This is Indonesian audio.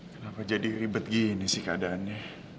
kenapa jadi ribet gini sih keadaannya